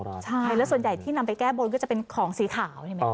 ไม่ใช่ส่วนใหญ่ที่ทำไปแก้บนก็จะเป็นของสีขาว